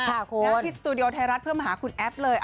ที่สตูดิโอไทยรัฐเพื่อมาหาคุณแอฟเลย